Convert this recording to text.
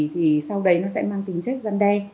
thì sau đấy nó sẽ mang tính chất dân đe